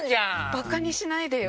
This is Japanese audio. バカにしないでよ！